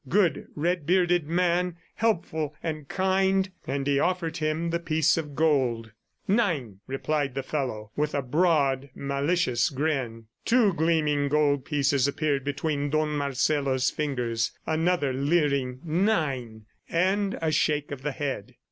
Good red bearded man, helpful and kind! ... and he offered him the piece of gold. "Nein," replied the fellow, with a broad, malicious grin. Two gleaming gold pieces appeared between Don Marcelo's fingers. Another leering "Nein" and a shake of the head.